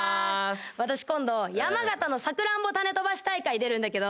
私今度山形のさくらんぼ種飛ばし大会に出るんだけど。